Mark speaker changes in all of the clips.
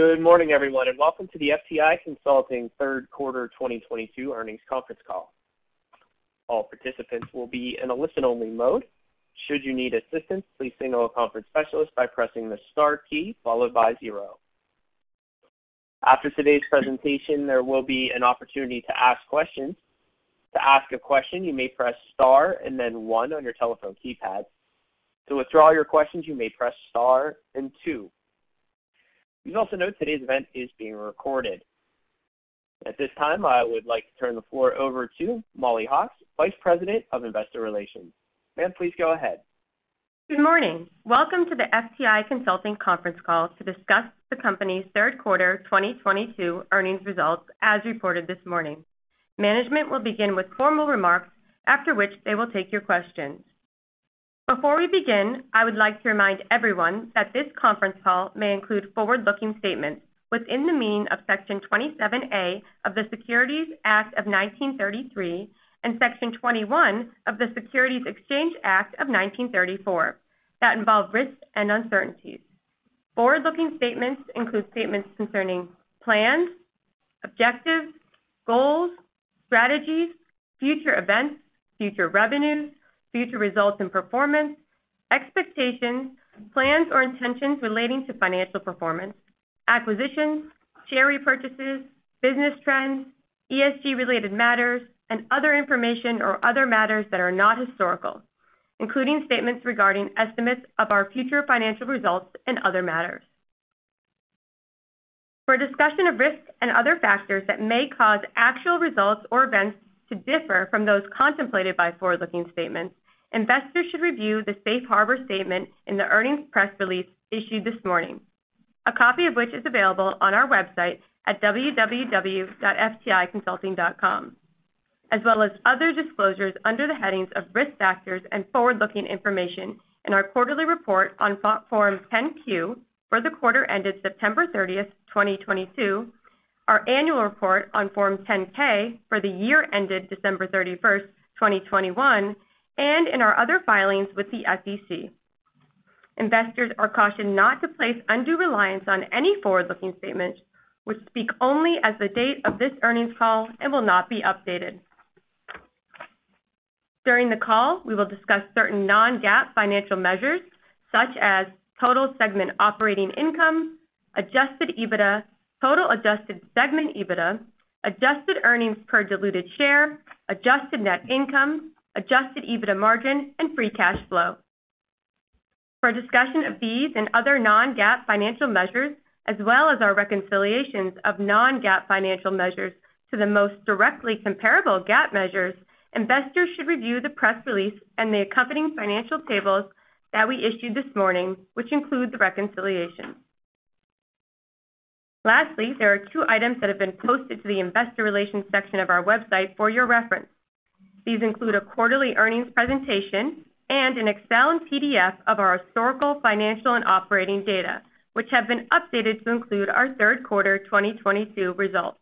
Speaker 1: Good morning, everyone, and welcome to the FTI Consulting third quarter 2022 earnings conference call. All participants will be in a listen-only mode. Should you need assistance, please signal a conference specialist by pressing the star key followed by zero. After today's presentation, there will be an opportunity to ask questions. To ask a question, you may press star and then one on your telephone keypad. To withdraw your questions, you may press star and two. Please also note today's event is being recorded. At this time, I would like to turn the floor over to Mollie Hawkes, Vice President of Investor Relations. Ma'am, please go ahead.
Speaker 2: Good morning. Welcome to the FTI Consulting conference call to discuss the company's third quarter 2022 earnings results as reported this morning. Management will begin with formal remarks, after which they will take your questions. Before we begin, I would like to remind everyone that this conference call may include forward-looking statements within the meaning of Section 27A of the Securities Act of 1933 and Section 21 of the Securities Exchange Act of 1934 that involve risks and uncertainties. Forward-looking statements include statements concerning plans, objectives, goals, strategies, future events, future revenues, future results and performance, expectations, plans, or intentions relating to financial performance, acquisitions, share repurchases, business trends, ESG-related matters, and other information or other matters that are not historical, including statements regarding estimates of our future financial results and other matters. For a discussion of risks and other factors that may cause actual results or events to differ from those contemplated by forward-looking statements, investors should review the Safe Harbor statement in the earnings press release issued this morning, a copy of which is available on our website at www.fticonsulting.com, as well as other disclosures under the headings of Risk Factors and Forward-Looking Information in our quarterly report on Form 10-Q for the quarter ended September 30th, 2022, our annual report on Form 10-K for the year ended December 31st, 2021, and in our other filings with the SEC. Investors are cautioned not to place undue reliance on any forward-looking statements, which speak only as of the date of this earnings call and will not be updated. During the call, we will discuss certain non-GAAP financial measures, such as total segment operating income, adjusted EBITDA, total adjusted segment EBITDA, adjusted earnings per diluted share, adjusted net income, adjusted EBITDA margin, and free cash flow. For a discussion of these and other non-GAAP financial measures, as well as our reconciliations of non-GAAP financial measures to the most directly comparable GAAP measures, investors should review the press release and the accompanying financial tables that we issued this morning, which include the reconciliation. Lastly, there are two items that have been posted to the Investor Relations section of our website for your reference. These include a quarterly earnings presentation and an Excel and PDF of our historical, financial, and operating data, which have been updated to include our third quarter 2022 results.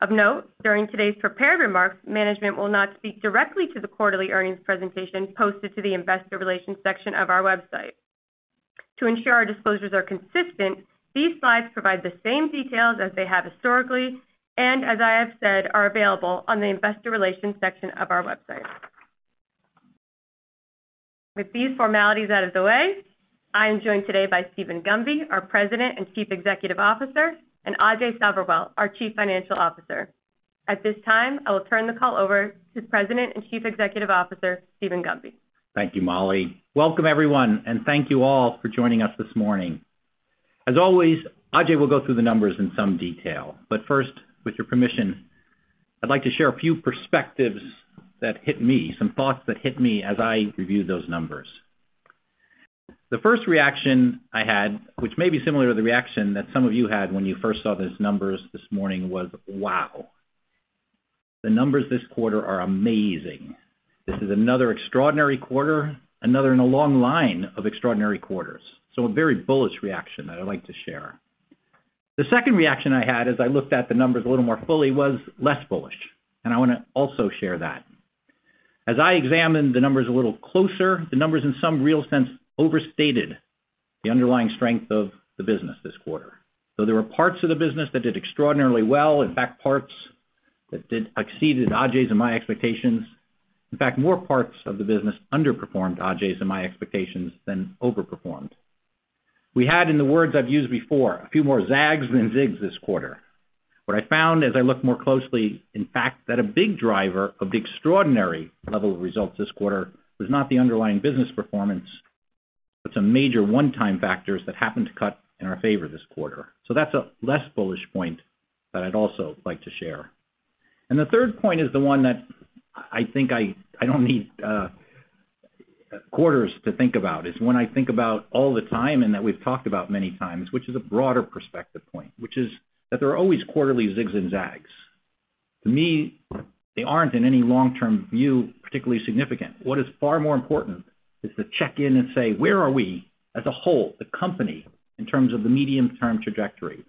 Speaker 2: Of note, during today's prepared remarks, management will not speak directly to the quarterly earnings presentation posted to the Investor Relations section of our website. To ensure our disclosures are consistent, these slides provide the same details as they have historically, and as I have said, are available on the Investor Relations section of our website. With these formalities out of the way, I am joined today by Steven Gunby, our President and Chief Executive Officer, and Ajay Sabherwal, our Chief Financial Officer. At this time, I will turn the call over to President and Chief Executive Officer, Steven Gunby.
Speaker 3: Thank you, Mollie. Welcome, everyone, and thank you all for joining us this morning. As always, Ajay will go through the numbers in some detail. First, with your permission, I'd like to share a few perspectives that hit me, some thoughts that hit me as I reviewed those numbers. The first reaction I had, which may be similar to the reaction that some of you had when you first saw these numbers this morning was, wow. The numbers this quarter are amazing. This is another extraordinary quarter, another in a long line of extraordinary quarters. A very bullish reaction that I'd like to share. The second reaction I had as I looked at the numbers a little more fully was less bullish, and I wanna also share that. As I examined the numbers a little closer, the numbers in some real sense overstated the underlying strength of the business this quarter. Though there were parts of the business that did extraordinarily well, in fact, parts that did exceeded Ajay's and my expectations. In fact, more parts of the business underperformed Ajay's and my expectations than overperformed. We had, in the words I've used before, a few more zags than zigs this quarter. What I found as I looked more closely, in fact, that a big driver of the extraordinary level of results this quarter was not the underlying business performance, but some major one-time factors that happened to cut in our favor this quarter. So that's a less bullish point that I'd also like to share. The third point is the one that I think I don't need quarters to think about. It's one I think about all the time and that we've talked about many times, which is a broader perspective point, which is that there are always quarterly zigs and zags. To me, they aren't in any long-term view particularly significant. What is far more important is to check in and say, where are we as a whole, the company, in terms of the medium-term trajectory?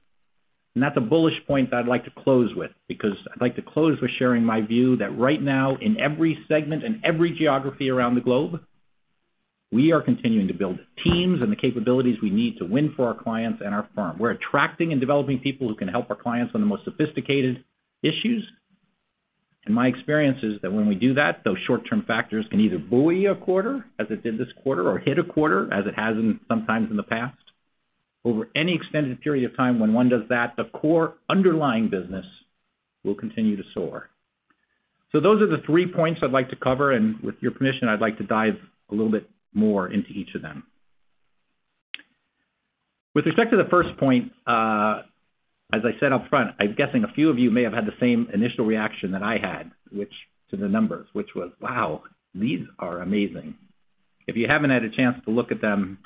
Speaker 3: That's a bullish point that I'd like to close with because I'd like to close with sharing my view that right now in every segment and every geography around the globe. We are continuing to build teams and the capabilities we need to win for our clients and our firm. We're attracting and developing people who can help our clients on the most sophisticated issues. My experience is that when we do that, those short-term factors can either buoy a quarter, as it did this quarter, or hit a quarter, as it has in some times in the past. Over any extended period of time when one does that, the core underlying business will continue to soar. Those are the three points I'd like to cover, and with your permission, I'd like to dive a little bit more into each of them. With respect to the first point, as I said up front, I'm guessing a few of you may have had the same initial reaction that I had to the numbers, which was, "Wow, these are amazing." If you haven't had a chance to look at them,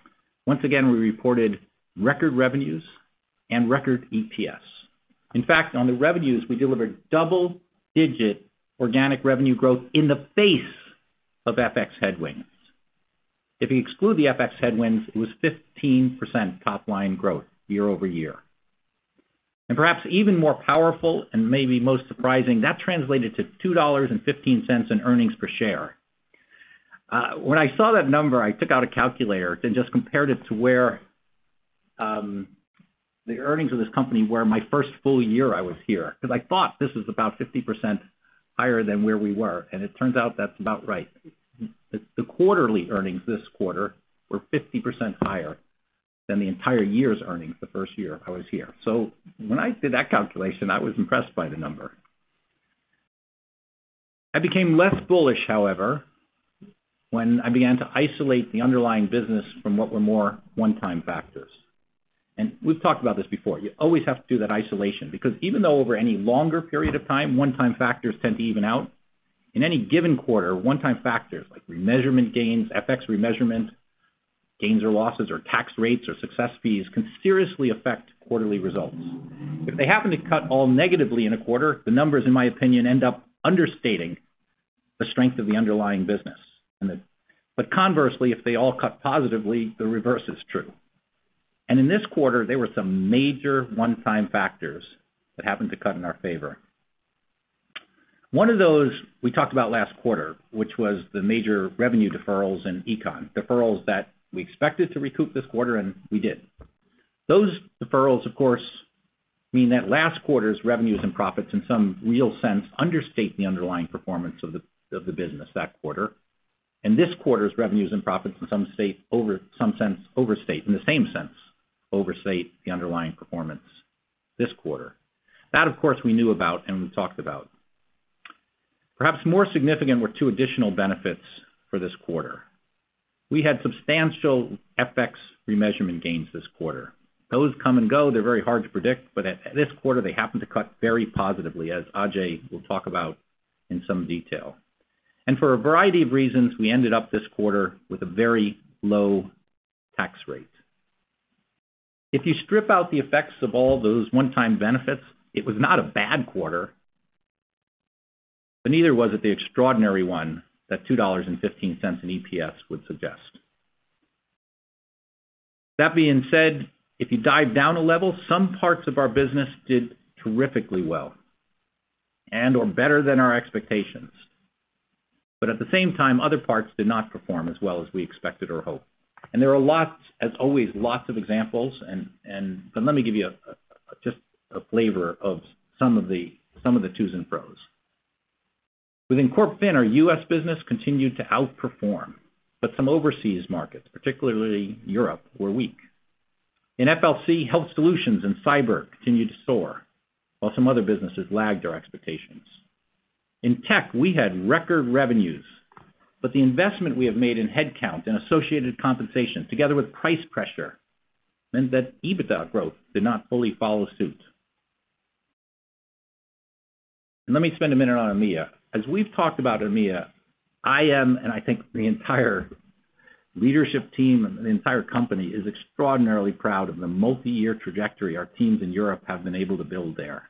Speaker 3: once again, we reported record revenues and record EPS. In fact, on the revenues, we delivered double-digit organic revenue growth in the face of FX headwinds. If you exclude the FX headwinds, it was 15% top-line growth year-over-year. Perhaps even more powerful, and maybe most surprising, that translated to $2.15 in earnings per share. When I saw that number, I took out a calculator and just compared it to where the earnings of this company were my first full year I was here, because I thought this was about 50% higher than where we were, and it turns out that's about right. The quarterly earnings this quarter were 50% higher than the entire year's earnings the first year I was here. When I did that calculation, I was impressed by the number. I became less bullish, however, when I began to isolate the underlying business from what were more one-time factors. We've talked about this before. You always have to do that isolation because even though over any longer period of time, one-time factors tend to even out, in any given quarter, one-time factors like remeasurement gains, FX remeasurement gains or losses or tax rates or success fees can seriously affect quarterly results. If they happen to cut all negatively in a quarter, the numbers, in my opinion, end up understating the strength of the underlying business. Conversely, if they all cut positively, the reverse is true. In this quarter, there were some major one-time factors that happened to cut in our favor. One of those we talked about last quarter, which was the major revenue deferrals in econ, deferrals that we expected to recoup this quarter, and we did. Those deferrals, of course, mean that last quarter's revenues and profits, in some real sense, understate the underlying performance of the business that quarter. This quarter's revenues and profits, in some sense, overstate the underlying performance this quarter. That, of course, we knew about and we talked about. Perhaps more significant were two additional benefits for this quarter. We had substantial FX remeasurement gains this quarter. Those come and go. They're very hard to predict. At this quarter, they happened to cut very positively, as Ajay will talk about in some detail. For a variety of reasons, we ended up this quarter with a very low tax rate. If you strip out the effects of all those one-time benefits, it was not a bad quarter, but neither was it the extraordinary one that $2.15 in EPS would suggest. That being said, if you dive down a level, some parts of our business did terrifically well and/or better than our expectations. At the same time, other parts did not perform as well as we expected or hoped. There are lots, as always, lots of examples, but let me give you just a flavor of some of the to's and fro's. Within CorpFin, our U.S. business continued to outperform, but some overseas markets, particularly Europe, were weak. In FLC, health solutions and cyber continued to soar, while some other businesses lagged our expectations. In tech, we had record revenues, but the investment we have made in headcount and associated compensation, together with price pressure, meant that EBITDA growth did not fully follow suit. Let me spend a minute on EMEA. As we've talked about EMEA, I am, and I think the entire leadership team and the entire company, is extraordinarily proud of the multi-year trajectory our teams in Europe have been able to build there.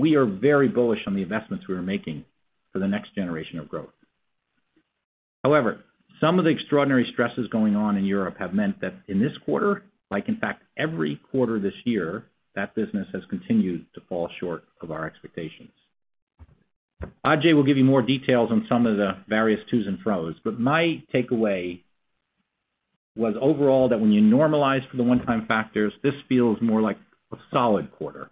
Speaker 3: We are very bullish on the investments we are making for the next generation of growth. However, some of the extraordinary stresses going on in Europe have meant that in this quarter, like in fact every quarter this year, that business has continued to fall short of our expectations. Ajay will give you more details on some of the various to's and fro's, but my takeaway was overall that when you normalize for the one-time factors, this feels more like a solid quarter.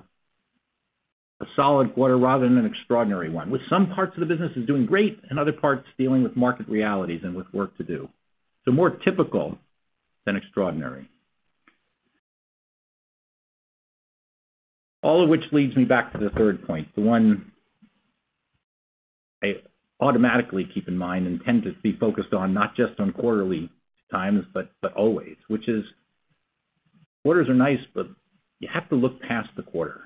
Speaker 3: A solid quarter rather than an extraordinary one, with some parts of the business is doing great and other parts dealing with market realities and with work to do. So more typical than extraordinary. All of which leads me back to the third point, the one I automatically keep in mind and tend to be focused on not just on quarterly times, but always, which is quarters are nice, but you have to look past the quarter.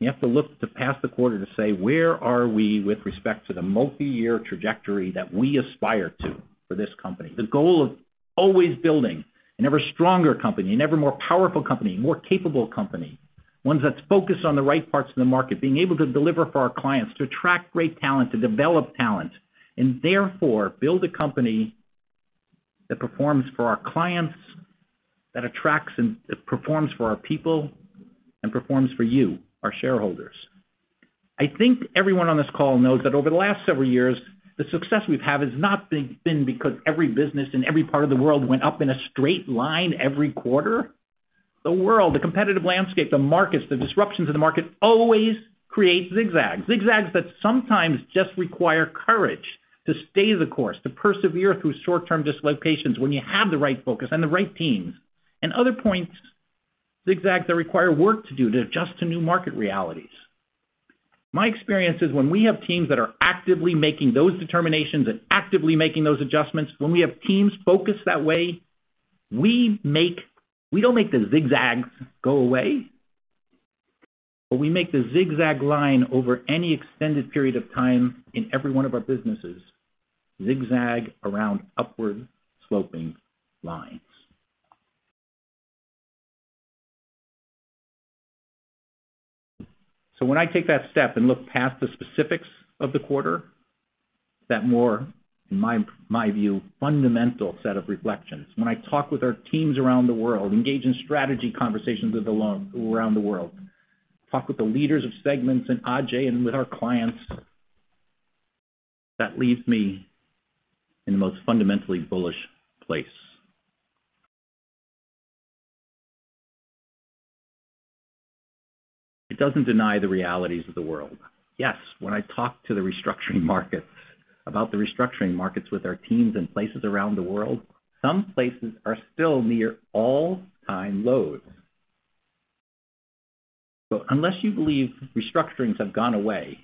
Speaker 3: You have to look to past the quarter to say, where are we with respect to the multi-year trajectory that we aspire to for this company? The goal of always building an ever-stronger company, an ever-more powerful company, a more capable company, one that's focused on the right parts of the market, being able to deliver for our clients, to attract great talent, to develop talent, and therefore build a company that performs for our clients, that attracts and performs for our people, and performs for you, our shareholders. I think everyone on this call knows that over the last several years, the success we've had has not been because every business in every part of the world went up in a straight line every quarter. The world, the competitive landscape, the markets, the disruptions in the market always create zigzags. Zigzags that sometimes just require courage to stay the course, to persevere through short-term dislocations when you have the right focus and the right teams. In other points, zigzags that require work to do to adjust to new market realities. My experience is when we have teams that are actively making those determinations and actively making those adjustments, when we have teams focused that way, we make, we don't make the zigzags go away, but we make the zigzag line over any extended period of time in every one of our businesses, zigzag around upward sloping lines. When I take that step and look past the specifics of the quarter, that, more in my view, fundamental set of reflections. When I talk with our teams around the world, engage in strategy conversations all around the world. Talk with the leaders of segments and Ajay and with our clients. That leaves me in the most fundamentally bullish place. It doesn't deny the realities of the world. Yes, when I talk about the restructuring markets with our teams in places around the world, some places are still near all-time lows. Unless you believe restructurings have gone away,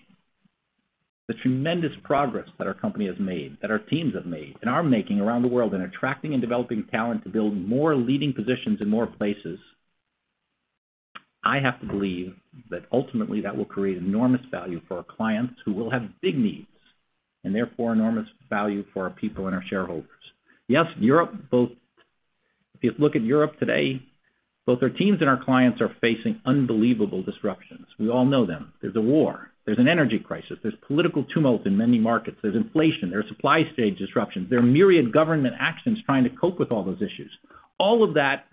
Speaker 3: the tremendous progress that our company has made, that our teams have made and are making around the world in attracting and developing talent to build more leading positions in more places, I have to believe that ultimately that will create enormous value for our clients who will have big needs, and therefore enormous value for our people and our shareholders. If you look at Europe today, both our teams and our clients are facing unbelievable disruptions. We all know them. There's a war, there's an energy crisis, there's political tumult in many markets. There's inflation, there are supply chain disruptions. There are myriad government actions trying to cope with all those issues. All of that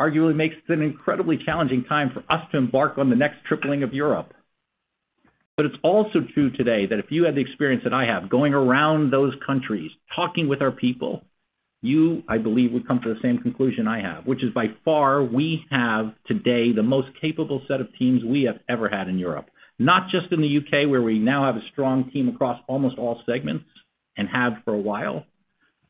Speaker 3: arguably makes it an incredibly challenging time for us to embark on the next tripling of Europe. It's also true today that if you had the experience that I have going around those countries, talking with our people, you, I believe, would come to the same conclusion I have. Which is by far, we have today the most capable set of teams we have ever had in Europe. Not just in the U.K., where we now have a strong team across almost all segments and have for a while,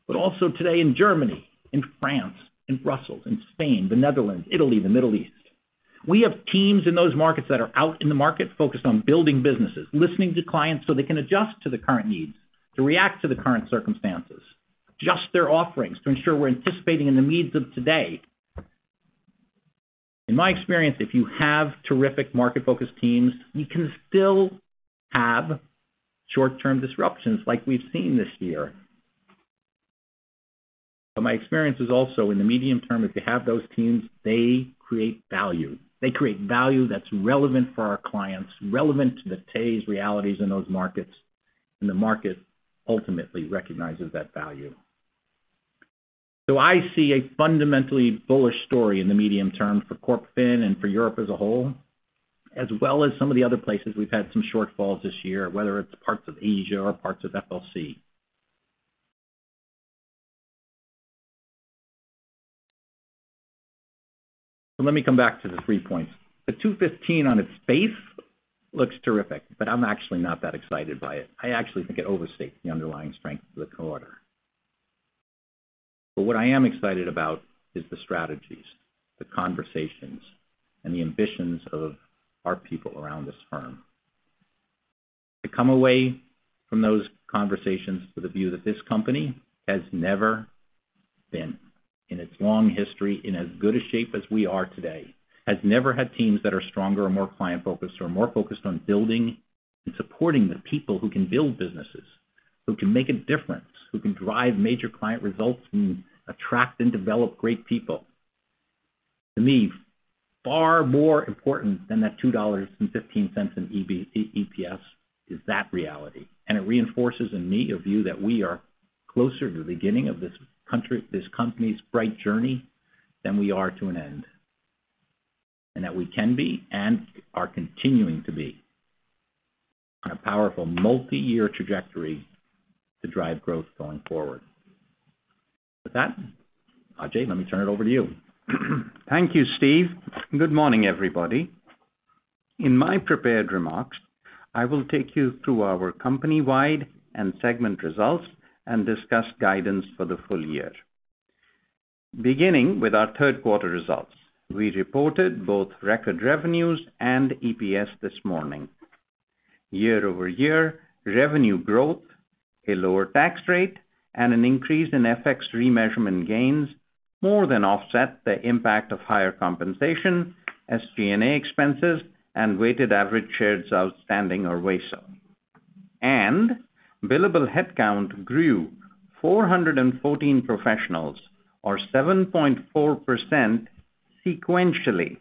Speaker 3: but also today in Germany, in France, in Brussels, in Spain, the Netherlands, Italy, the Middle East. We have teams in those markets that are out in the market focused on building businesses, listening to clients so they can adjust to the current needs, to react to the current circumstances. Adjust their offerings to ensure we're anticipating the needs of today. In my experience, if you have terrific market-focused teams, you can still have short-term disruptions like we've seen this year. My experience is also in the medium term, if you have those teams, they create value. They create value that's relevant for our clients, relevant to today's realities in those markets, and the market ultimately recognizes that value. I see a fundamentally bullish story in the medium term for CorpFin and for Europe as a whole, as well as some of the other places we've had some shortfalls this year, whether it's parts of Asia or parts of FLC. Let me come back to the three points. The $2.15 on its face looks terrific, but I'm actually not that excited by it. I actually think it overstates the underlying strength of the quarter. What I am excited about is the strategies, the conversations, and the ambitions of our people around this firm. To come away from those conversations with the view that this company has never been, in its long history, in as good a shape as we are today, has never had teams that are stronger or more client-focused or more focused on building and supporting the people who can build businesses, who can make a difference, who can drive major client results, and attract and develop great people. To me, far more important than that $2.15 in EPS is that reality. It reinforces in me a view that we are closer to the beginning of this company's bright journey than we are to an end. That we can be and are continuing to be on a powerful multi-year trajectory to drive growth going forward. With that, Ajay, let me turn it over to you.
Speaker 4: Thank you, Steve. Good morning, everybody. In my prepared remarks, I will take you through our company-wide and segment results and discuss guidance for the full year. Beginning with our third quarter results, we reported both record revenues and EPS this morning. Year-over-year, revenue growth, a lower tax rate, and an increase in FX remeasurement gains more than offset the impact of higher compensation, SG&A expenses, and weighted average shares outstanding, or WASA. Billable headcount grew 414 professionals or 7.4% sequentially.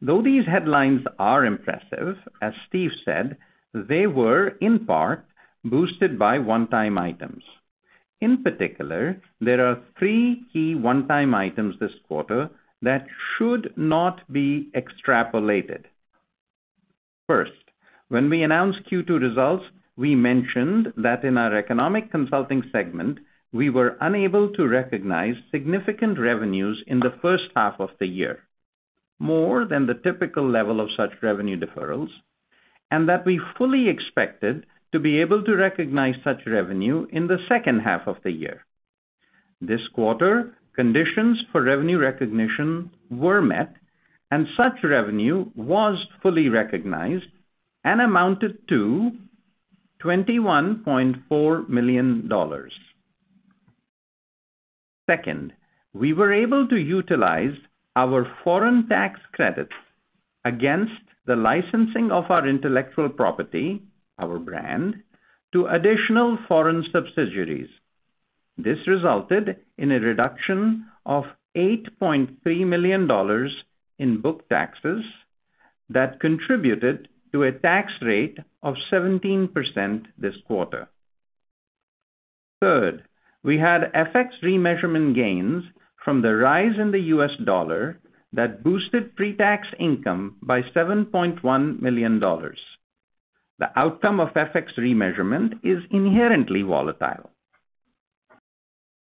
Speaker 4: Though these headlines are impressive, as Steve said, they were in part boosted by one-time items. In particular, there are three key one-time items this quarter that should not be extrapolated. First, when we announced Q2 results, we mentioned that in our Economic Consulting segment, we were unable to recognize significant revenues in the first half of the year, more than the typical level of such revenue deferrals, and that we fully expected to be able to recognize such revenue in the second half of the year. This quarter, conditions for revenue recognition were met, and such revenue was fully recognized and amounted to $21.4 million. Second, we were able to utilize our foreign tax credits against the licensing of our intellectual property, our brand, to additional foreign subsidiaries. This resulted in a reduction of $8.3 million in book taxes that contributed to a tax rate of 17% this quarter. Third, we had FX remeasurement gains from the rise in the US dollar that boosted pre-tax income by $7.1 million. The outcome of FX remeasurement is inherently volatile.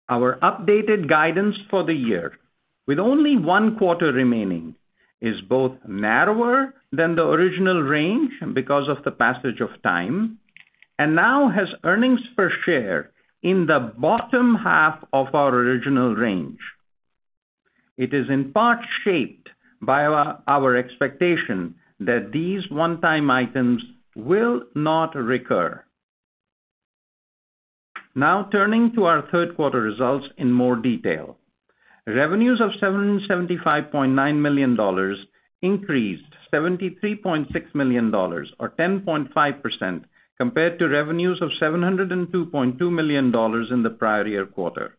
Speaker 4: Our updated guidance for the year, with only one quarter remaining, is both narrower than the original range because of the passage of time and now has earnings per share in the bottom half of our original range. It is in part shaped by our expectation that these one-time items will not recur. Now turning to our third quarter results in more detail. Revenues of $775.9 million increased $73.6 million or 10.5% compared to revenues of $702.2 million in the prior year quarter.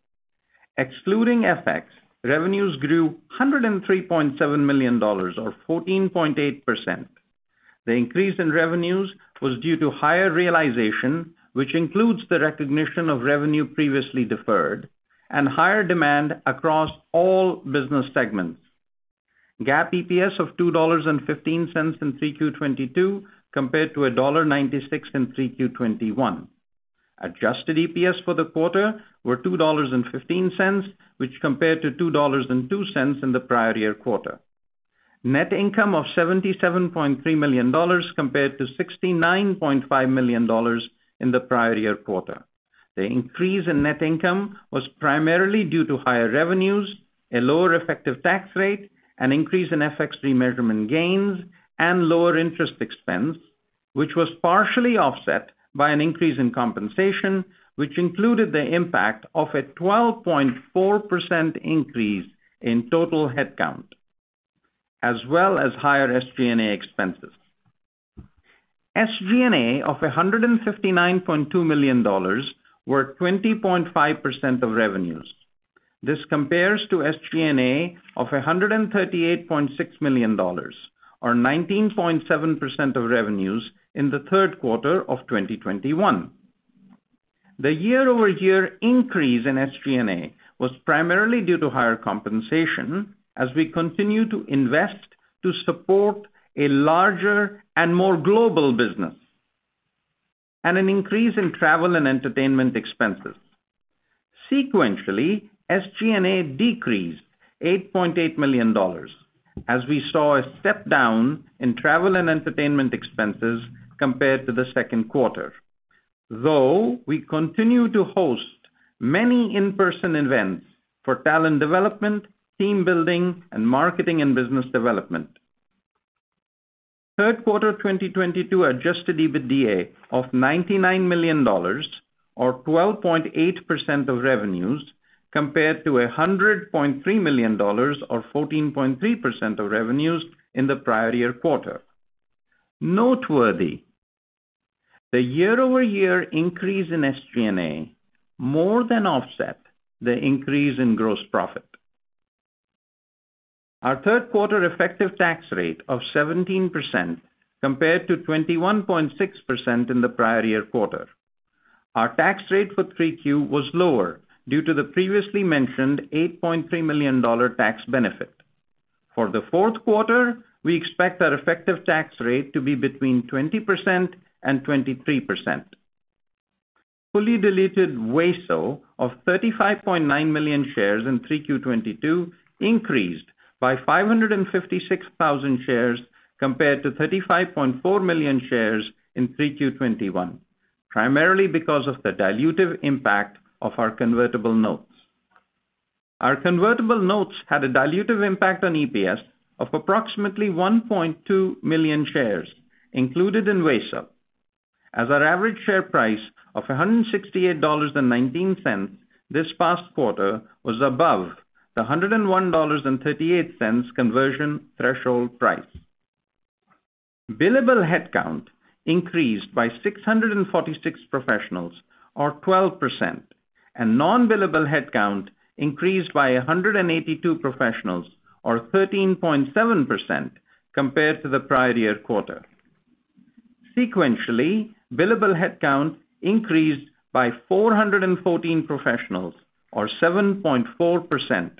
Speaker 4: Excluding FX, revenues grew $103.7 million or 14.8%. The increase in revenues was due to higher realization, which includes the recognition of revenue previously deferred and higher demand across all business segments. GAAP EPS of $2.15 in 3Q 2022 compared to $1.96 in 3Q 2021. Adjusted EPS for the quarter were $2.15, which compared to $2.02 in the prior year quarter. Net income of $77.3 million compared to $69.5 million in the prior year quarter. The increase in net income was primarily due to higher revenues, a lower effective tax rate, an increase in FX remeasurement gains, and lower interest expense, which was partially offset by an increase in compensation, which included the impact of a 12.4% increase in total headcount, as well as higher SG&A expenses. SG&A of $159.2 million were 20.5% of revenues. This compares to SG&A of $138.6 million or 19.7% of revenues in the third quarter of 2021. The year-over-year increase in SG&A was primarily due to higher compensation as we continue to invest to support a larger and more global business and an increase in travel and entertainment expenses. Sequentially, SG&A decreased $8.8 million as we saw a step-down in travel and entertainment expenses compared to the second quarter. Though we continue to host many in-person events for talent development, team building, and marketing and business development. Third quarter 2022 adjusted EBITDA of $99 million or 12.8% of revenues compared to $100.3 million or 14.3% of revenues in the prior year quarter. Noteworthy, the year-over-year increase in SG&A more than offset the increase in gross profit. Our third quarter effective tax rate of 17% compared to 21.6% in the prior year quarter. Our tax rate for 3Q was lower due to the previously mentioned $8.3 million tax benefit. For the fourth quarter, we expect our effective tax rate to be between 20% and 23%. Fully diluted WASO of 35.9 million shares in 3Q 2022 increased by 556,000 shares compared to 35.4 million shares in 3Q 2021, primarily because of the dilutive impact of our convertible notes. Our convertible notes had a dilutive impact on EPS of approximately 1.2 million shares included in WASO as our average share price of $168.19 this past quarter was above the $101.38 conversion threshold price. Billable headcount increased by 646 professionals or 12%, and non-billable headcount increased by 182 professionals or 13.7% compared to the prior year quarter. Sequentially, billable headcount increased by 414 professionals or 7.4%.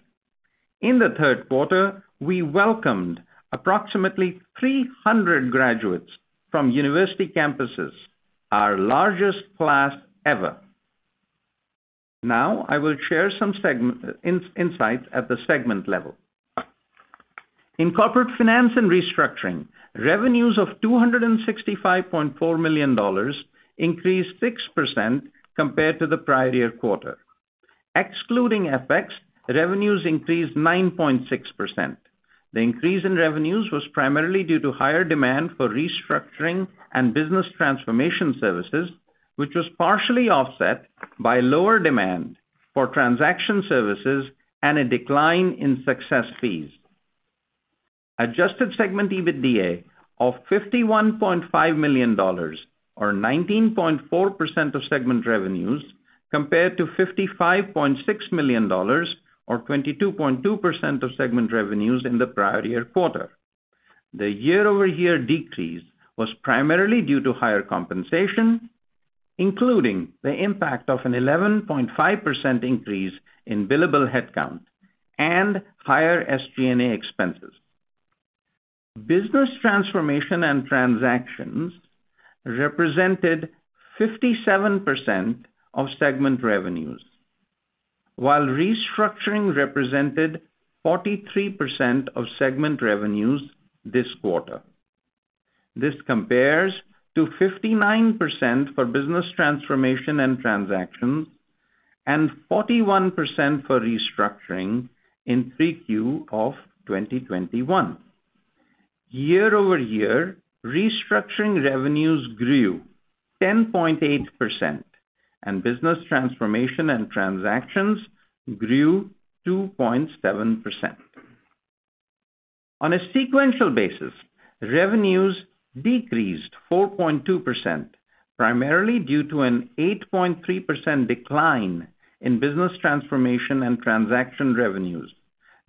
Speaker 4: In the third quarter, we welcomed approximately 300 graduates from university campuses, our largest class ever. Now, I will share some segment insights at the segment level. In Corporate Finance & Restructuring, revenues of $265.4 million increased 6% compared to the prior year quarter. Excluding FX, revenues increased 9.6%. The increase in revenues was primarily due to higher demand for restructuring and business transformation services, which was partially offset by lower demand for transaction services and a decline in success fees. Adjusted segment EBITDA of $51.5 million or 19.4% of segment revenues, compared to $55.6 million or 22.2% of segment revenues in the prior year quarter. The year-over-year decrease was primarily due to higher compensation, including the impact of an 11.5% increase in billable headcount and higher SG&A expenses. Business transformation and transactions represented 57% of segment revenues, while restructuring represented 43% of segment revenues this quarter. This compares to 59% for business transformation and transactions and 41% for restructuring in 3Q 2021. Year-over-year, restructuring revenues grew 10.8% and business transformation and transactions grew 2.7%. On a sequential basis, revenues decreased 4.2% primarily due to an 8.3% decline in business transformation and transaction revenues,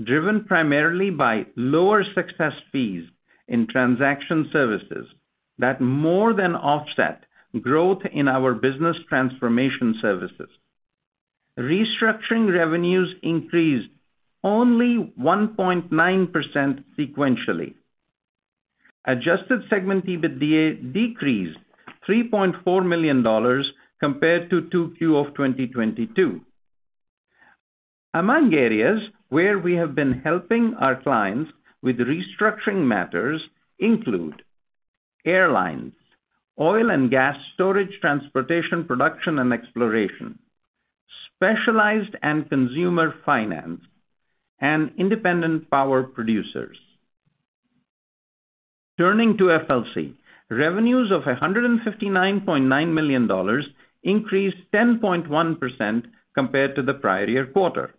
Speaker 4: driven primarily by lower success fees in transaction services that more than offset growth in our business transformation services. Restructuring revenues increased only 1.9% sequentially. Adjusted segment EBITDA decreased $3.4 million compared to 2Q of 2022. Among areas where we have been helping our clients with restructuring matters include airlines, oil and gas storage, transportation, production, and exploration, specialized and consumer finance, and independent power producers. Turning to FLC, revenues of $159.9 million increased 10.1% compared to the prior year quarter.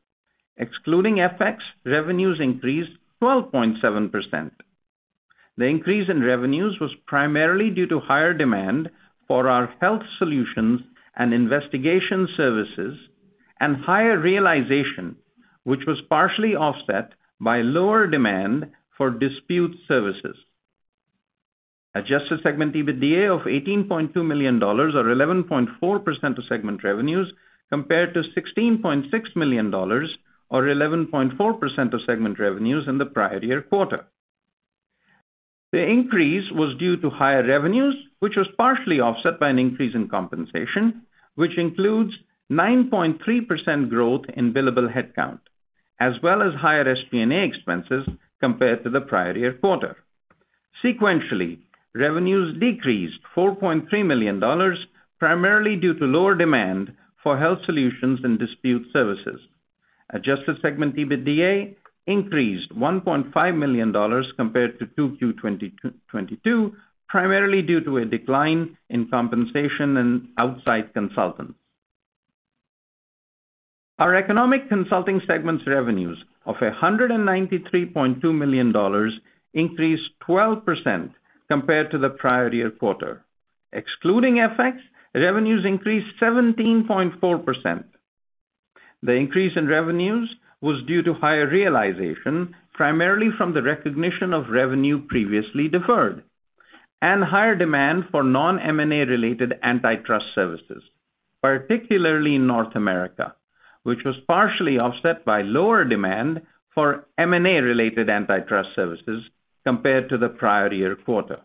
Speaker 4: Excluding FX, revenues increased 12.7%. The increase in revenues was primarily due to higher demand for our health solutions and investigation services and higher realization, which was partially offset by lower demand for dispute services. Adjusted segment EBITDA of $18.2 million or 11.4% of segment revenues compared to $16.6 million or 11.4% of segment revenues in the prior year quarter. The increase was due to higher revenues, which was partially offset by an increase in compensation, which includes 9.3% growth in billable headcount, as well as higher SG&A expenses compared to the prior year quarter. Sequentially, revenues decreased $4.3 million, primarily due to lower demand for health solutions and dispute services. Adjusted segment EBITDA increased $1.5 million compared to 2Q 2022, primarily due to a decline in compensation and outside consultants. Our Economic Consulting segment's revenues of $193.2 million increased 12% compared to the prior year quarter. Excluding FX, revenues increased 17.4%. The increase in revenues was due to higher realization, primarily from the recognition of revenue previously deferred, and higher demand for non-M&A-related antitrust services, particularly in North America, which was partially offset by lower demand for M&A related antitrust services compared to the prior year quarter.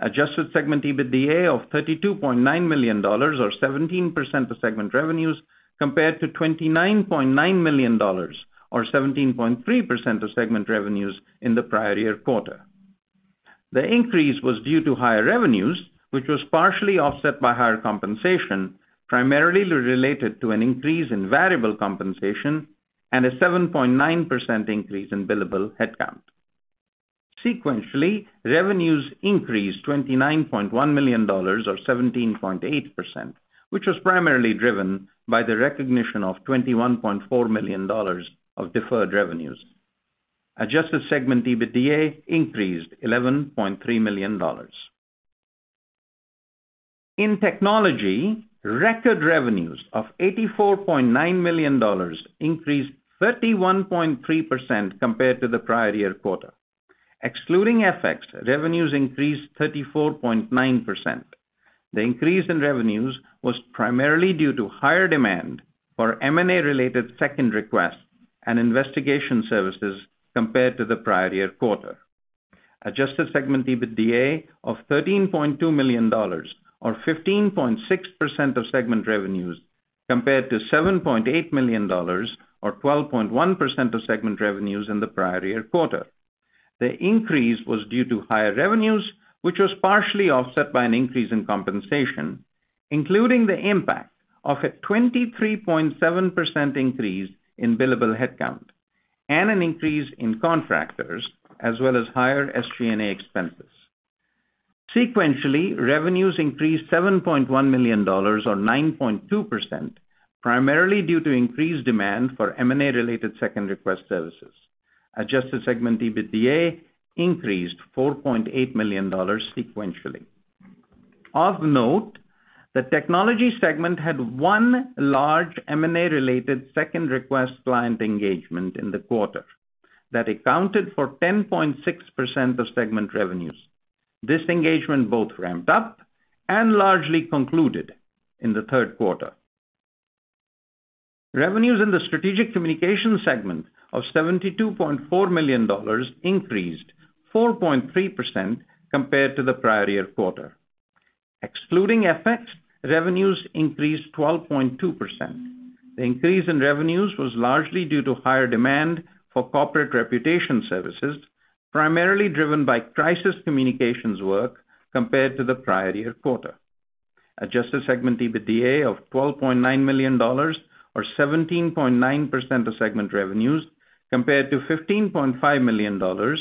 Speaker 4: Adjusted segment EBITDA of $32.9 million or 17% of segment revenues compared to $29.9 million or 17.3% of segment revenues in the prior year quarter. The increase was due to higher revenues, which was partially offset by higher compensation, primarily related to an increase in variable compensation and a 7.9% increase in billable headcount. Sequentially, revenues increased $29.1 million or 17.8%, which was primarily driven by the recognition of $21.4 million of deferred revenues. Adjusted segment EBITDA increased $11.3 million. In Technology, record revenues of $84.9 million increased 31.3% compared to the prior year quarter. Excluding FX, revenues increased 34.9%. The increase in revenues was primarily due to higher demand for M&A-related Second Requests and investigation services compared to the prior year quarter. Adjusted segment EBITDA of $13.2 million or 15.6% of segment revenues compared to $7.8 million or 12.1% of segment revenues in the prior year quarter. The increase was due to higher revenues, which was partially offset by an increase in compensation, including the impact of a 23.7% increase in billable headcount and an increase in contractors, as well as higher SG&A expenses. Sequentially, revenues increased $7.1 million or 9.2%, primarily due to increased demand for M&A-related Second Request services. Adjusted segment EBITDA increased $4.8 million sequentially. Of note, the Technology segment had one large M&A-related Second Request client engagement in the quarter that accounted for 10.6% of segment revenues. This engagement both ramped up and largely concluded in the third quarter. Revenues in the Strategic Communications segment of $72.4 million increased 4.3% compared to the prior year quarter. Excluding FX, revenues increased 12.2%. The increase in revenues was largely due to higher demand for corporate reputation services, primarily driven by crisis communications work compared to the prior year quarter. Adjusted segment EBITDA of $12.9 million or 17.9% of segment revenues compared to $15.5 million or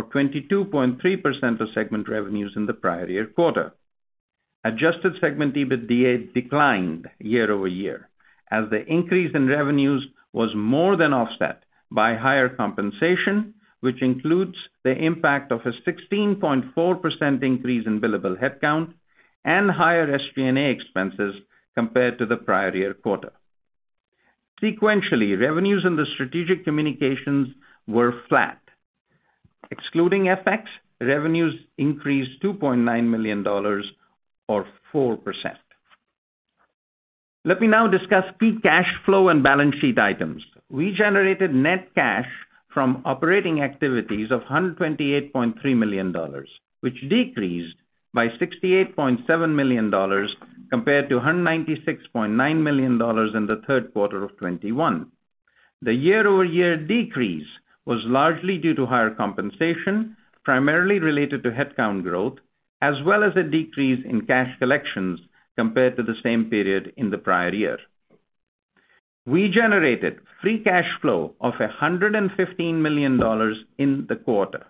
Speaker 4: 22.3% of segment revenues in the prior year quarter. Adjusted segment EBITDA declined year-over-year as the increase in revenues was more than offset by higher compensation, which includes the impact of a 16.4% increase in billable headcount and higher SG&A expenses compared to the prior year quarter. Sequentially, revenues in Strategic Communications were flat. Excluding FX, revenues increased $2.9 million or 4%. Let me now discuss free cash flow and balance sheet items. We generated net cash from operating activities of $128.3 million, which decreased by $68.7 million compared to $196.9 million in the third quarter of 2021. The year-over-year decrease was largely due to higher compensation, primarily related to headcount growth, as well as a decrease in cash collections compared to the same period in the prior year. We generated free cash flow of $115 million in the quarter.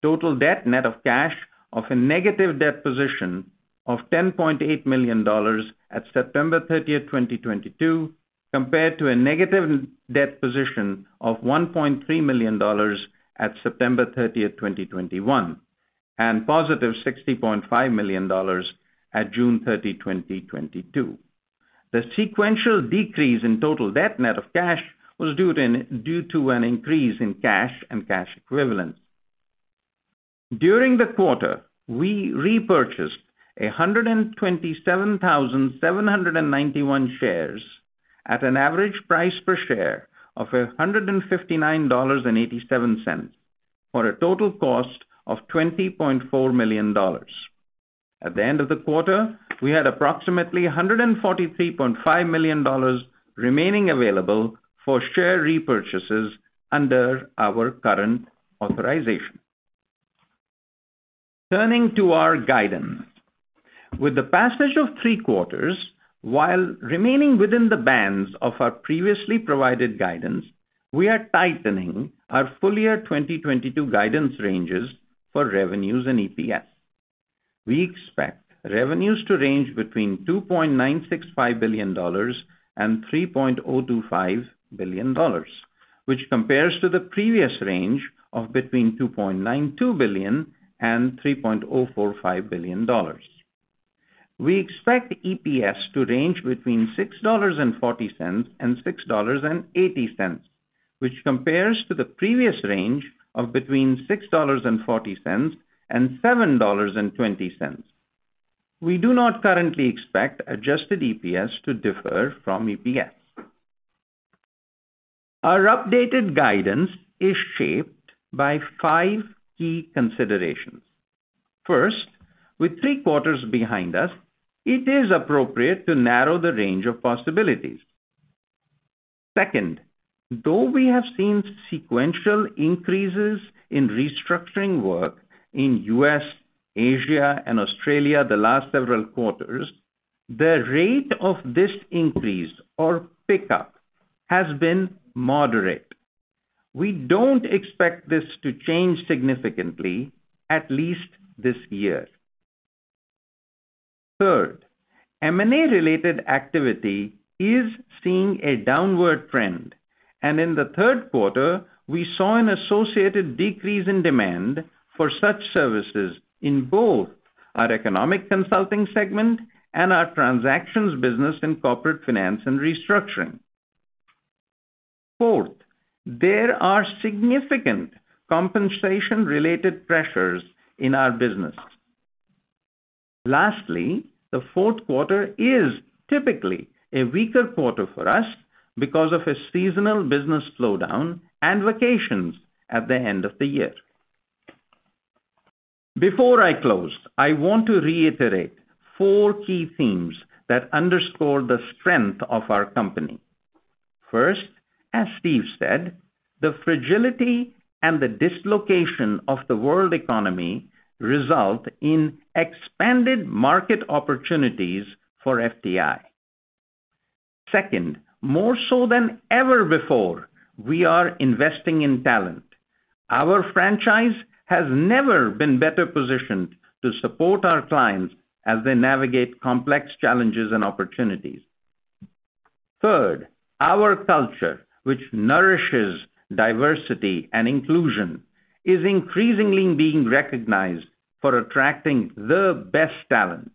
Speaker 4: Total debt net of cash of a negative debt position of $10.8 million at September 30, 2022 compared to a negative debt position of $1.3 million at September 30, 2021, and +$60.5 million at June 30, 2022. The sequential decrease in total debt net of cash was due to an increase in cash and cash equivalents. During the quarter, we repurchased 127,791 shares at an average price per share of $159.87 for a total cost of $20.4 million. At the end of the quarter, we had approximately $143.5 million remaining available for share repurchases under our current authorization. Turning to our guidance. With the passage of three quarters, while remaining within the bands of our previously provided guidance, we are tightening our full year 2022 guidance ranges for revenues and EPS. We expect revenues to range between $2.965 billion and $3.025 billion, which compares to the previous range of between $2.92 billion and $3.045 billion. We expect EPS to range between $6.40 and $6.80, which compares to the previous range of between $6.40 and $7.20. We do not currently expect adjusted EPS to differ from EPS. Our updated guidance is shaped by five key considerations. First, with three quarters behind us, it is appropriate to narrow the range of possibilities. Second, though we have seen sequential increases in restructuring work in U.S., Asia, and Australia the last several quarters, the rate of this increase or pickup has been moderate. We don't expect this to change significantly, at least this year. Third, M&A-related activity is seeing a downward trend. In the third quarter, we saw an associated decrease in demand for such services in both our Economic Consulting segment and our Transactions business in Corporate Finance and Restructuring. Fourth, there are significant compensation-related pressures in our business. Lastly, the fourth quarter is typically a weaker quarter for us because of a seasonal business slowdown and vacations at the end of the year. Before I close, I want to reiterate four key themes that underscore the strength of our company. First, as Steve said, the fragility and the dislocation of the world economy result in expanded market opportunities for FTI. Second, more so than ever before, we are investing in talent. Our franchise has never been better positioned to support our clients as they navigate complex challenges and opportunities. Third, our culture, which nourishes diversity and inclusion, is increasingly being recognized for attracting the best talent.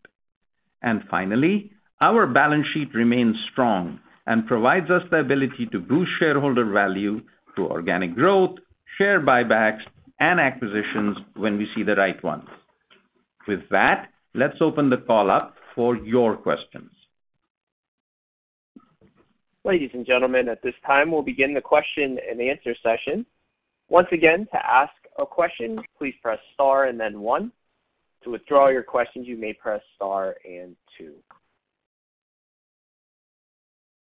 Speaker 4: Finally, our balance sheet remains strong and provides us the ability to boost shareholder value through organic growth, share buybacks, and acquisitions when we see the right ones. With that, let's open the call up for your questions.
Speaker 1: Ladies and gentlemen, at this time, we'll begin the question-and-answer session. Once again, to ask a question, please press star and then one. To withdraw your questions, you may press star and two.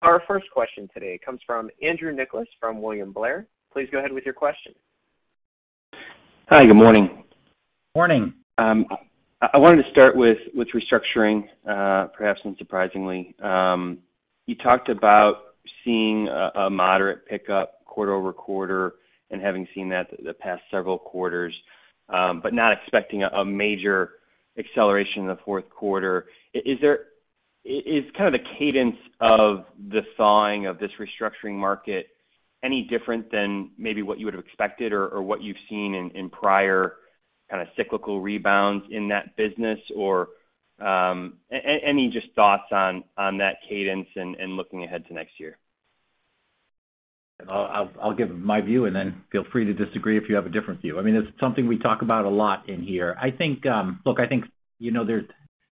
Speaker 1: Our first question today comes from Andrew Nicholas from William Blair. Please go ahead with your question.
Speaker 5: Hi, good morning.
Speaker 3: Morning.
Speaker 5: I wanted to start with restructuring, perhaps unsurprisingly. You talked about seeing a moderate pickup quarter-over-quarter and having seen that the past several quarters, but not expecting a major acceleration in the fourth quarter. Is kind of the cadence of the thawing of this restructuring market any different than maybe what you would have expected or what you've seen in prior kinda cyclical rebounds in that business? Any just thoughts on that cadence and looking ahead to next year?
Speaker 3: I'll give my view and then feel free to disagree if you have a different view. I mean, it's something we talk about a lot in here. I think, look, I think, you know, there's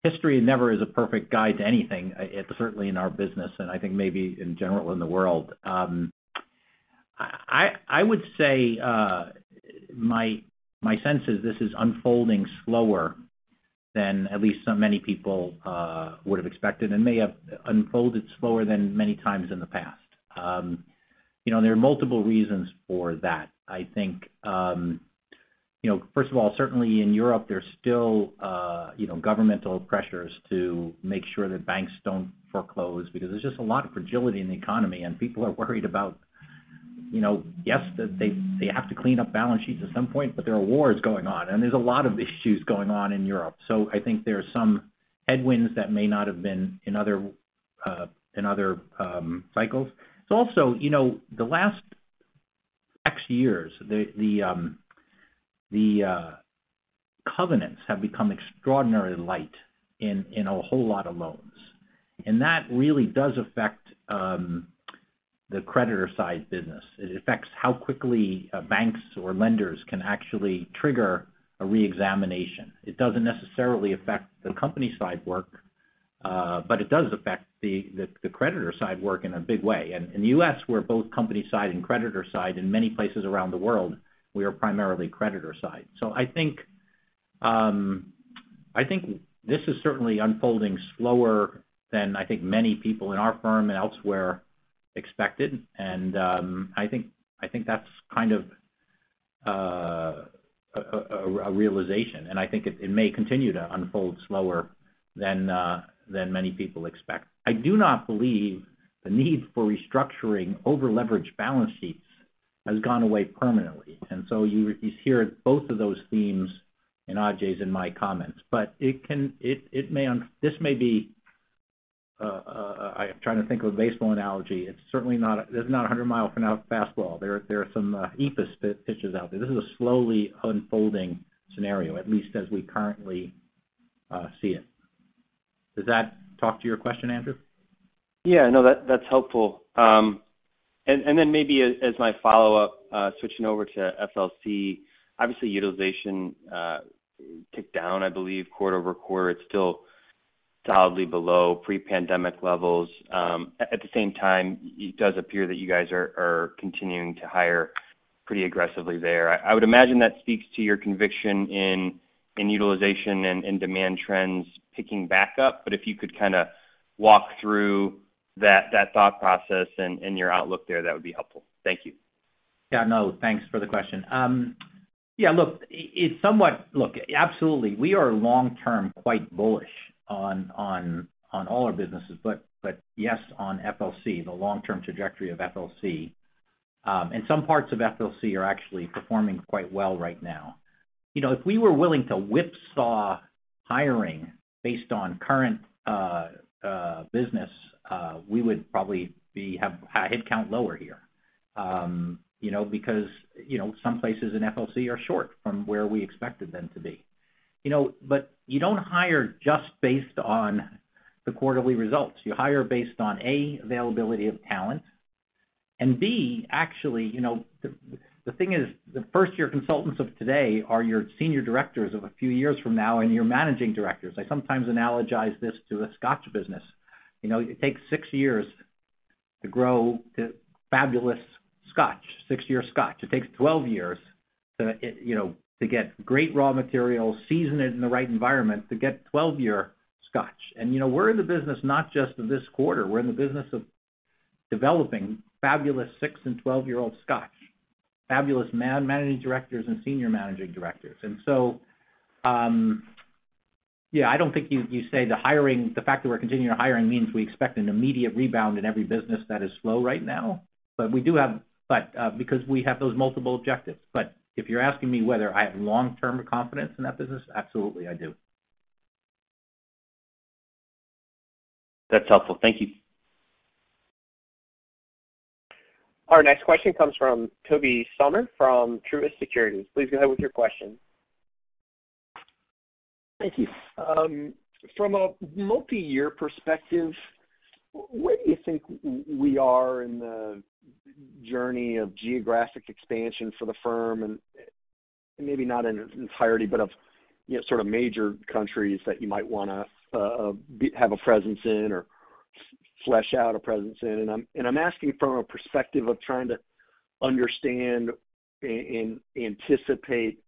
Speaker 3: history never is a perfect guide to anything, certainly in our business, and I think maybe in general in the world. I would say, my sense is this is unfolding slower than at least so many people would have expected, and may have unfolded slower than many times in the past. You know, there are multiple reasons for that. I think, you know, first of all, certainly in Europe, there's still, you know, governmental pressures to make sure that banks don't foreclose because there's just a lot of fragility in the economy, and people are worried about, you know, yes, that they have to clean up balance sheets at some point, but there are wars going on, and there's a lot of issues going on in Europe. I think there are some headwinds that may not have been in other cycles. Also, you know, the last X years, the covenants have become extraordinarily light in a whole lot of loans. That really does affect the creditor side business. It affects how quickly banks or lenders can actually trigger a reexamination. It doesn't necessarily affect the company side work, but it does affect the creditor side work in a big way. In the U.S., we're both company side and creditor side. In many places around the world, we are primarily creditor side. I think this is certainly unfolding slower than I think many people in our firm and elsewhere expected. I think that's kind of a realization, and I think it may continue to unfold slower than many people expect. I do not believe the need for restructuring over-leveraged balance sheets has gone away permanently. You hear both of those themes in Ajay's and my comments. This may be, I'm trying to think of a baseball analogy. This is not a 100-mile-an-hour fastball. There are some off-speed pitches out there. This is a slowly unfolding scenario, at least as we currently see it. Does that talk to your question, Andrew?
Speaker 5: Yeah. No, that's helpful. And then maybe as my follow-up, switching over to FLC, obviously utilization ticked down, I believe, quarter-over-quarter. It's still solidly below pre-pandemic levels. At the same time, it does appear that you guys are continuing to hire pretty aggressively there. I would imagine that speaks to your conviction in utilization and demand trends picking back up. But if you could kinda walk through that thought process and your outlook there, that would be helpful. Thank you.
Speaker 3: Yeah, no, thanks for the question. Absolutely, we are long-term quite bullish on all our businesses, but yes, on FLC, the long-term trajectory of FLC, and some parts of FLC are actually performing quite well right now. You know, if we were willing to whipsaw hiring based on current business, we would probably have headcount lower here. You know, because, you know, some places in FLC are short from where we expected them to be. You know, but you don't hire just based on the quarterly results. You hire based on, A, availability of talent, and B, actually, you know, the thing is, the first-year consultants of today are your senior directors of a few years from now, and your managing directors. I sometimes analogize this to a scotch business. You know, it takes six years to grow the fabulous Scotch, six-year Scotch. It takes 12 years to, you know, to get great raw material, season it in the right environment to get 12-year Scotch. You know, we're in the business not just of this quarter. We're in the business of developing fabulous six- and 12-year-old Scotch, fabulous managing directors and senior managing directors. Yeah, I don't think you say the hiring, the fact that we're continuing hiring means we expect an immediate rebound in every business that is slow right now, but because we have those multiple objectives. If you're asking me whether I have long-term confidence in that business, absolutely, I do.
Speaker 5: That's helpful. Thank you.
Speaker 1: Our next question comes from Tobey Sommer from Truist Securities. Please go ahead with your question.
Speaker 6: Thank you. From a multi-year perspective, where do you think we are in the journey of geographic expansion for the firm? Maybe not in its entirety, but of, you know, sort of major countries that you might wanna be have a presence in or flesh out a presence in. I'm asking from a perspective of trying to understand and anticipate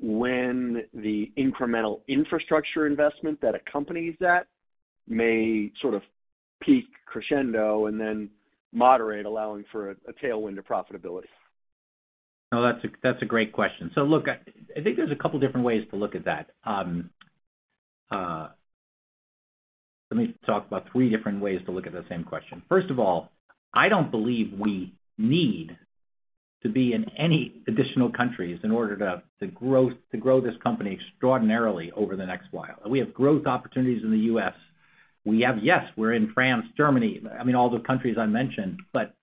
Speaker 6: when the incremental infrastructure investment that accompanies that may sort of peak crescendo and then moderate, allowing for a tailwind of profitability.
Speaker 3: No, that's a great question. Look, I think there's a couple different ways to look at that. Let me talk about three different ways to look at the same question. First of all, I don't believe we need to be in any additional countries in order to grow this company extraordinarily over the next while. We have growth opportunities in the U.S. We have, yes, we're in France, Germany, I mean, all the countries I mentioned, but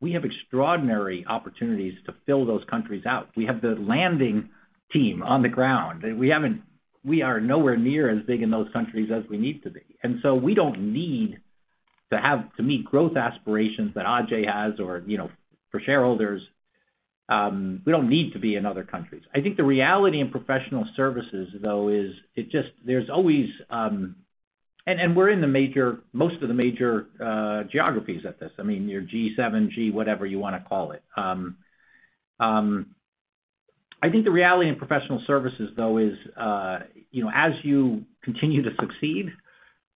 Speaker 3: we have extraordinary opportunities to fill those countries out. We have the landing team on the ground. We are nowhere near as big in those countries as we need to be. We don't need to meet growth aspirations that Ajay has or, you know, for shareholders, we don't need to be in other countries. I think the reality in professional services, though, is, it's just, there's always— We're in most of the major geographies at this. I mean, your G7, G whatever you wanna call it. I think the reality in professional services, though, is, you know, as you continue to succeed,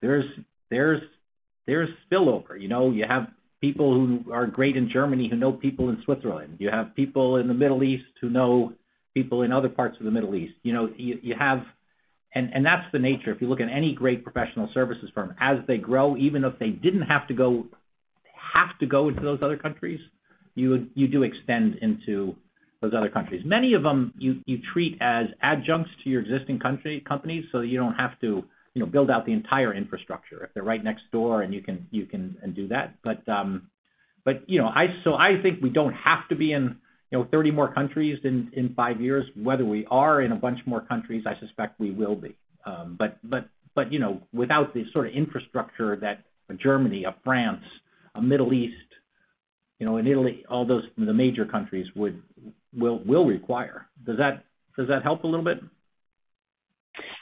Speaker 3: there's spillover. You know, you have people who are great in Germany who know people in Switzerland. You have people in the Middle East who know people in other parts of the Middle East. You know, you have— That's the nature. If you look at any great professional services firm, as they grow, even if they didn't have to go— have to go into those other countries, you do extend into those other countries. Many of them, you treat as adjuncts to your existing country-companies, so you don't have to, you know, build out the entire infrastructure if they're right next door and you can— and do that. I think we don't have to be in, you know, 30 more countries in five years. Whether we are in a bunch more countries, I suspect we will be. You know, without the sort of infrastructure that a Germany, a France, a Middle East, you know, an Italy, all those, the major countries would require. Does that help a little bit?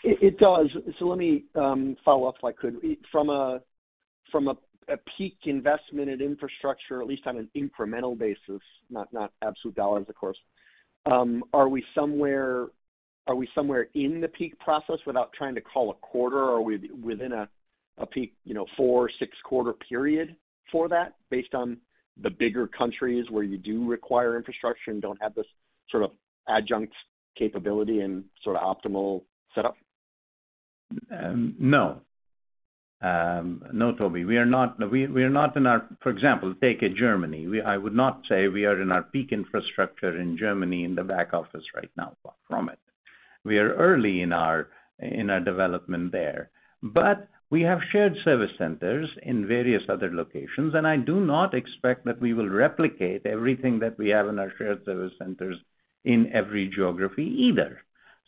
Speaker 6: It does. Let me follow up, if I could. From a peak investment in infrastructure, at least on an incremental basis, not absolute dollars, of course, are we somewhere in the peak process without trying to call a quarter? Are we within a peak four- or six-quarter period for that based on the bigger countries where you do require infrastructure and don't have this sort of adjunct capability and sort of optimal setup?
Speaker 4: No, Tobey, we are not. For example, take Germany. I would not say we are in our peak infrastructure in Germany in the back office right now, far from it. We are early in our development there. But we have shared service centers in various other locations, and I do not expect that we will replicate everything that we have in our shared service centers in every geography either.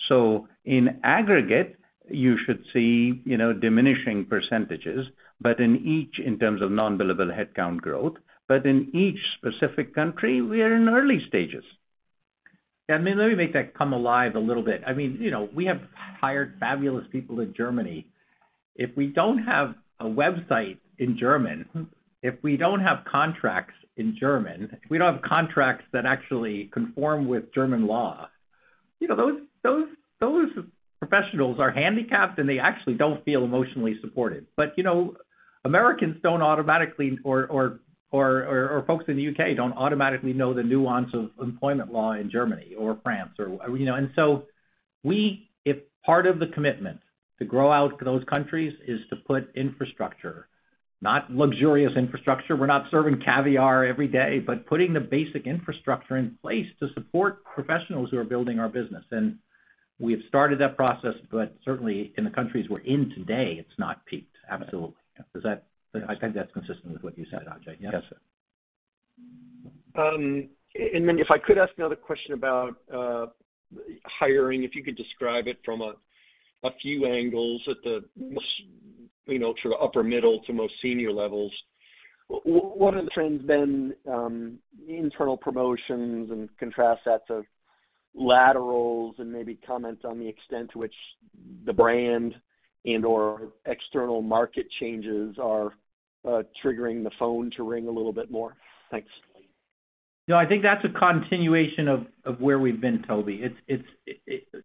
Speaker 4: So in aggregate, you should see, you know, diminishing percentages, but in terms of non-billable headcount growth, in each specific country, we are in early stages.
Speaker 3: Yeah, I mean, let me make that come alive a little bit. I mean, you know, we have hired fabulous people in Germany. If we don't have a website in German, if we don't have contracts in German, if we don't have contracts that actually conform with German law, you know, those professionals are handicapped, and they actually don't feel emotionally supported. You know, Americans don't automatically or folks in the U.K. don't automatically know the nuance of employment law in Germany or France or, you know? If part of the commitment to grow out those countries is to put infrastructure, not luxurious infrastructure, we're not serving caviar every day, but putting the basic infrastructure in place to support professionals who are building our business. We have started that process, but certainly in the countries we're in today, it's not peaked. Absolutely. I think that's consistent with what you said, Ajay. Yes.
Speaker 6: If I could ask another question about hiring, if you could describe it from a few angles at the most, you know, sort of upper middle to most senior levels, what have the trends been, internal promotions and contrast that to laterals and maybe comment on the extent to which the brand and/or external market changes are triggering the phone to ring a little bit more. Thanks.
Speaker 3: No, I think that's a continuation of where we've been, Tobey.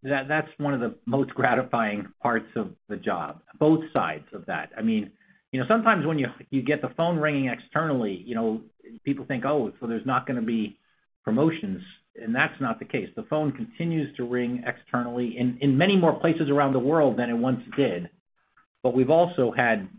Speaker 3: That's one of the most gratifying parts of the job, both sides of that. I mean, you know, sometimes when you get the phone ringing externally, you know, people think, "Oh, so there's not gonna be promotions," and that's not the case. The phone continues to ring externally in many more places around the world than it once did. But we've also had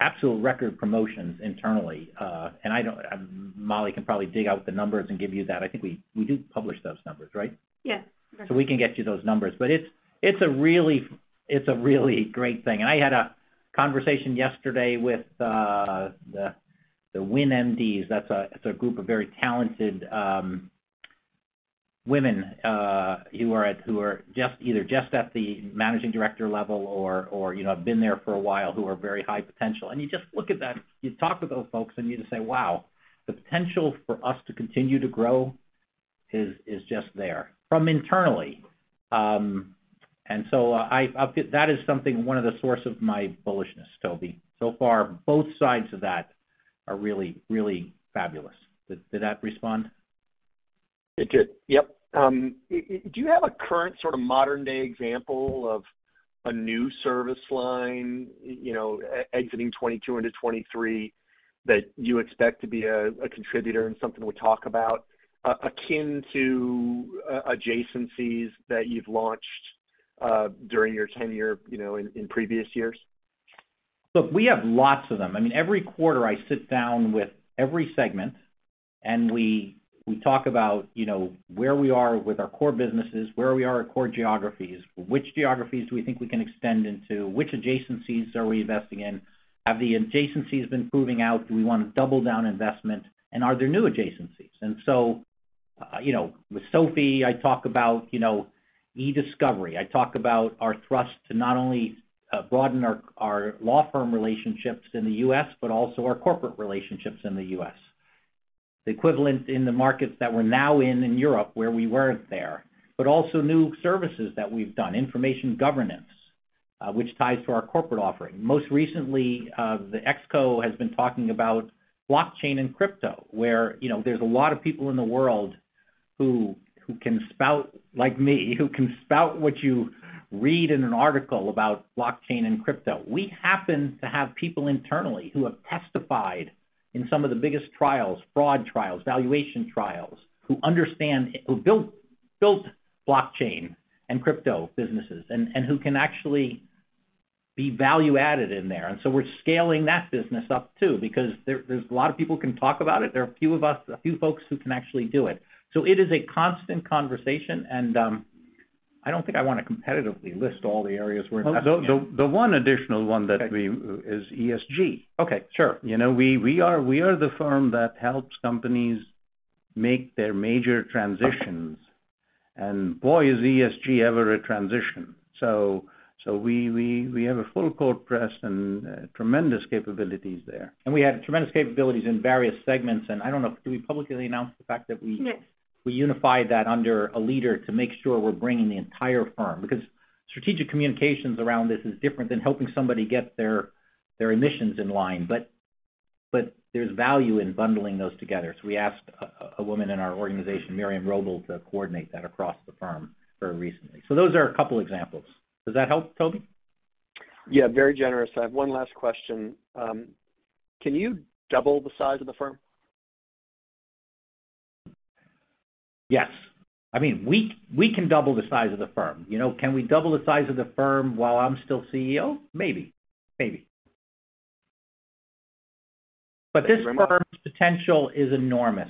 Speaker 3: absolute record promotions internally. And Mollie can probably dig out the numbers and give you that. I think we do publish those numbers, right?
Speaker 2: Yes.
Speaker 3: We can get you those numbers. It's a really great thing. I had a conversation yesterday with the WIN MDs. That's a group of very talented women who are either just at the managing director level or, you know, have been there for a while, who are very high potential. You just look at them, you talk with those folks, and you just say, "Wow, the potential for us to continue to grow is just there from internally." That is something, one of the source of my bullishness, Tobey. Both sides of that are really, really fabulous. Did that respond?
Speaker 6: It did. Yep. Do you have a current sort of modern-day example of a new service line, you know, exiting 2022 into 2023 that you expect to be a contributor and something to talk about, akin to adjacencies that you've launched during your tenure, you know, in previous years?
Speaker 3: Look, we have lots of them. I mean, every quarter I sit down with every segment, and we talk about, you know, where we are with our core businesses, where we are at core geographies, which geographies do we think we can extend into, which adjacencies are we investing in? Have the adjacencies been proving out? Do we wanna double down investment? And are there new adjacencies? You know, with Sophie, I talk about, you know, e-discovery. I talk about our thrust to not only broaden our law firm relationships in the U.S., but also our corporate relationships in the U.S. The equivalent in the markets that we're now in Europe, where we weren't there, but also new services that we've done, information governance, which ties to our corporate offering. Most recently, the ExCo has been talking about blockchain and crypto, where, you know, there's a lot of people in the world who can spout, like me, who can spout what you read in an article about blockchain and crypto. We happen to have people internally who have testified in some of the biggest trials, fraud trials, valuation trials, who understand, who built blockchain and crypto businesses and who can actually be value-added in there. We're scaling that business up, too, because there's a lot of people who can talk about it, there are a few of us, a few folks who can actually do it. It is a constant conversation, and I don't think I wanna competitively list all the areas we're investing in.
Speaker 4: The one additional one is ESG. You know, we are the firm that helps companies make their major transitions. Boy, is ESG ever a transition. We have a full court press and tremendous capabilities there.
Speaker 3: We have tremendous capabilities in various segments. I don't know, did we publicly announce the fact that we—
Speaker 2: Yes.
Speaker 3: We unified that under a leader to make sure we're bringing the entire firm. Strategic Communications around this is different than helping somebody get their emissions in line. There's value in bundling those together. We asked a woman in our organization, Miriam Wrobel, to coordinate that across the firm very recently. Those are a couple examples. Does that help, Tobey?
Speaker 6: Yeah, very generous. I have one last question. Can you double the size of the firm?
Speaker 3: Yes. I mean, we can double the size of the firm. You know, can we double the size of the firm while I'm still CEO? Maybe. Maybe. This firm's potential is enormous.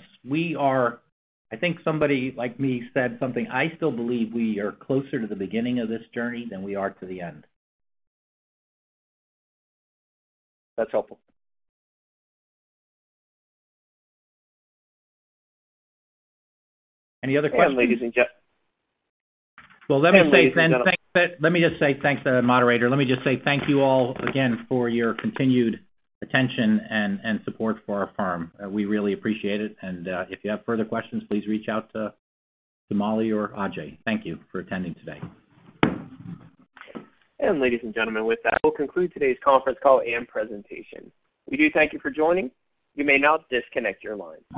Speaker 3: I think somebody like me said something. I still believe we are closer to the beginning of this journey than we are to the end.
Speaker 6: That's helpful.
Speaker 3: Any other questions?
Speaker 1: And ladies and gent-
Speaker 3: Well, let me just say thanks to our moderator. Let me just say thank you all again for your continued attention and support for our firm. We really appreciate it. If you have further questions, please reach out to Mollie or Ajay. Thank you for attending today.
Speaker 1: Ladies and gentlemen, with that, we'll conclude today's conference call and presentation. We do thank you for joining. You may now disconnect your lines.